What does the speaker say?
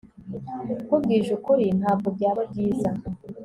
nkubwije ukuri, ntabwo byari byiza